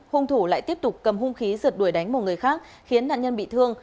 hung thủ lại tiếp tục cầm hung khí rượt đuổi đánh một người khác khiến nạn nhân bị thương